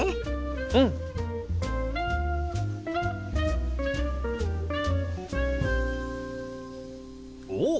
うん！おっ！